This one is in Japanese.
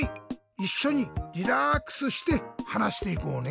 いっしょにリラーックスしてはなしていこうね。